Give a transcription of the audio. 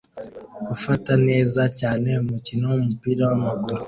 Gufata neza cyane umukino wumupira wamaguru